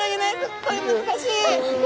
これ難しい！